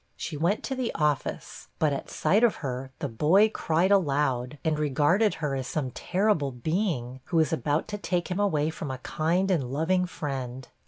She went to the office, but at sight of her the boy cried aloud, and regarded her as some terrible being, who was about to take him away from a kind and loving friend.